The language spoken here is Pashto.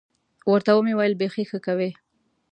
ورته ومې ویل بيخي ښه کوې.